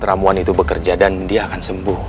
ramuan itu bekerja dan dia akan sembuh